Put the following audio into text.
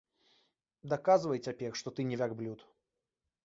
Даказвай цяпер, што ты не вярблюд.